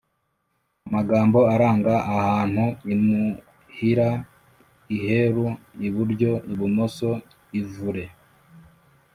Amagambo aranga ahantu imuhira iheru iburyo ibumoso ivure